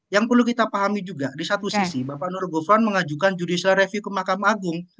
yang perlu kita pahami juga di satu sisi bapak nur gufron mengajukan judicial review ke mahkamah agung